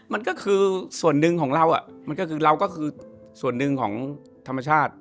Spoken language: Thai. มันก็คือส่วนหนึ่งของเรามันก็คือเราก็คือส่วนหนึ่งของธรรมชาติ